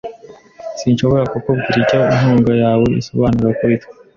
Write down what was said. Sinshobora kukubwira icyo inkunga yawe isobanura kuri twe.